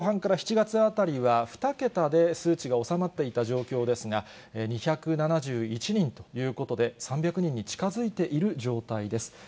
この６月の後半から７月あたりは、２桁で数値が収まっていた状況ですが、２７１人ということで、３００人に近づいている状態です。